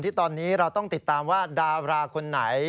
ที่ตอนนี้เราต้องติดตามว่าดาราคนไหน